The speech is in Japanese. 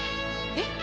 えっ？